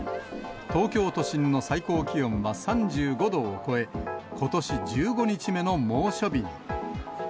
東京都心の最高気温は３５度を超え、ことし１５日目の猛暑日に。